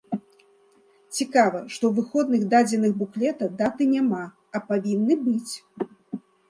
Цікава, што ў выходных дадзеных буклета даты няма, а павінны быць!